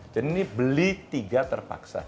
jadi ini beli tiga terpaksa